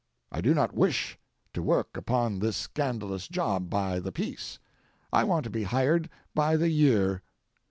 I do not wish to work upon this scandalous job by the piece. I want to be hired by the year."